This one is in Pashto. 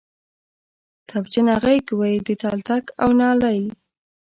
تبجنه غیږ وی د تلتک او نالۍ